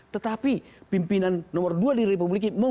tetapi pimpinan nomor dua di republik ini mau ke mana